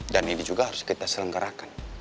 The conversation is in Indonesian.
dan ini juga harus kita selengkarakan